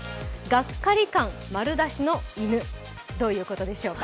ガッカリ感丸出しの犬、どういうことでしょうか。